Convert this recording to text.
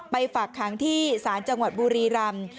ฝากค้างที่ศาลจังหวัดบุรีรำ